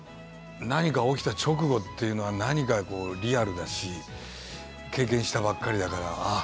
何か起きた直後っていうのは何かこうリアルだし経験したばっかりだからああ